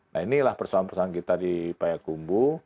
nah inilah persoalan persoalan kita di pak hekumbu